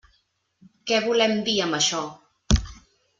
Què volem dir amb això?